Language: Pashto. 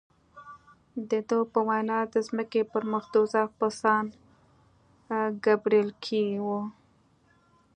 د ده په وینا د ځمکې پر مخ دوزخ په سان ګبرېل کې و.